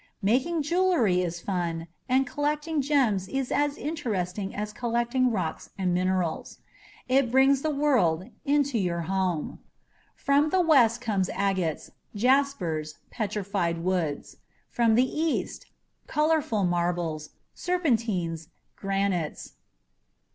Making jewelry is fun, and collecting gems is as interesting as collecting rocks and minerals; it brings the world into your home. From the West come agates, jaspers, petrified woods; from the East, colorful marbles, serpentines, granites.